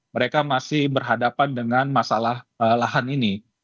mereka masih berhadapan dengan masalah lahan ini